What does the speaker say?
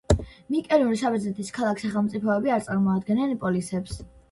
მიკენური საბერძნეთის ქალაქ-სახელმწიფოები არ წარმოადგენენ პოლისებს.